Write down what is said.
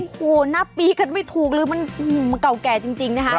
โอ้โหนับปีกันไม่ถูกเลยมันเก่าแก่จริงนะคะ